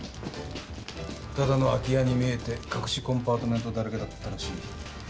ただの空き家に見えて隠しコンパートメントだらけだったらしい。